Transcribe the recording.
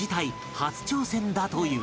初挑戦だという